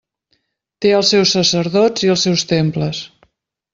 Té els seus sacerdots i els seus temples.